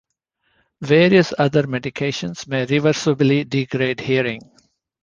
Various other medications may reversibly degrade hearing.